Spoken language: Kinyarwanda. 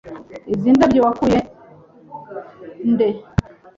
Izi ndabyo wakuye nde?